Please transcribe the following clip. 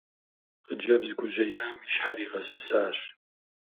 Хъыджэбз гужьеям и щхьэр игъэсысащ.